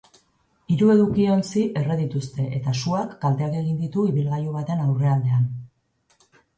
Hiru edukiontzi erre dituzte, eta suak kalteak egin ditu ibilgailu baten aurrealdean.